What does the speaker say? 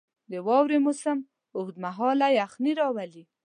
• د واورې موسم اوږد مهاله یخني راولي.